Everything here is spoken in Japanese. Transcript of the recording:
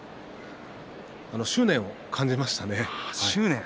執念を感じましたね。